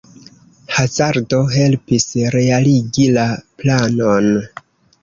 Hazardo helpis realigi la planon.